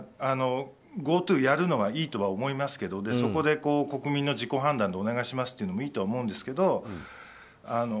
ＧｏＴｏやるのはいいとは思いますけどそこで国民の自己判断でお願いしますというのもいいと思うんですけど。